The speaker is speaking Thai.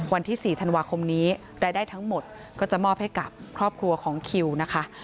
วันที่๔ธันวาคมนี้รายได้ทั้งหมดก็จะมอบให้กับครอบครัวของคิวนะคะ